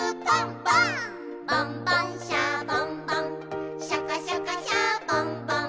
「ボンボン・シャボン・ボンシャカシャカ・シャボン・ボン」